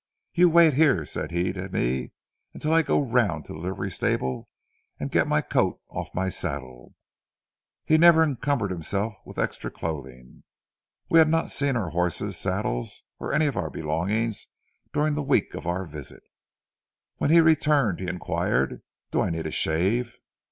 'You wait here,' said he to me, 'until I go round to the livery stable and get my coat off my saddle.' He never encumbered himself with extra clothing. We had not seen our horses, saddles, or any of our belongings during the week of our visit. When he returned he inquired, 'Do I need a shave?'